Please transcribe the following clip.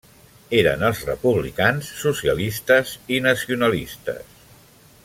Eren els republicans, socialistes i nacionalistes.